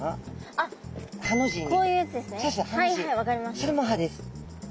それも歯です。